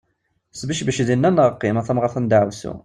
Cbebec dinna neɣ qim, a tamɣaṛt n daɛwessu!